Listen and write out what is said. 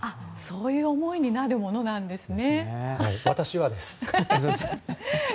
そういう思いになるものなんですね。